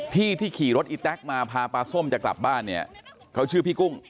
ที่ที่ขี่รถอีแต๊กมาพาปลาส้มจะกลับบ้านเนี่ยเขาชื่อพี่กุ้ง